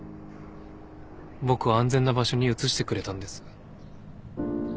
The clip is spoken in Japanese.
僕を安全な場所に移してくれたんです。